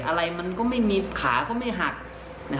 อะไรมันก็ไม่มีขาก็ไม่หัก